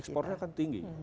ekspornya kan tinggi